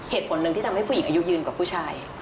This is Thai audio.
เหตุผลหนึ่งที่ทำให้ผู้หญิงอายุยืนกว่าผู้ชาย